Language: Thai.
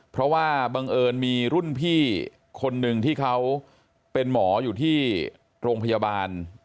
เพราะว่าบังเอิญมีรุ่นพี่คนหนึ่งที่เขาเป็นหมออยู่ที่โรงพยาบาล